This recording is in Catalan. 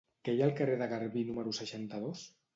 Què hi ha al carrer de Garbí número seixanta-dos?